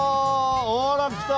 ほら来た！